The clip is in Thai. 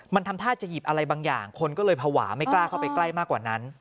มันทำท่าจะหยิบอะไรบางอย่างคนก็เลยภาวะไม่กล้าเข้าไปใกล้มากกว่านั้น